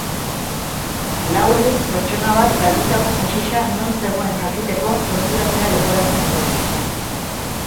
Lau orduz pertsona bat galdutako haxixa non zegoen jakiteko torturatzea leporatzen diete.